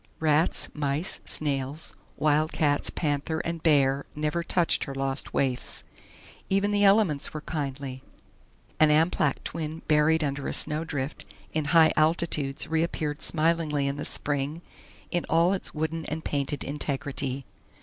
Rats, mice, snails, wildcats, panther, and bear never touched her lost waifs. Even the elements were kindly; an Amplach twin buried under a snowdrift in high altitudes reappeared smilingly in the spring in all its wooden and painted integrity.